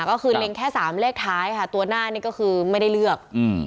ก็คือเล็งแค่๓เลขท้ายค่ะตัวหน้านี่ก็คือไม่ได้เลือก